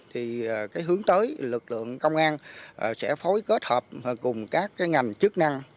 thì cái hướng tới lực lượng công an sẽ phối kết hợp cùng các ngành chức năng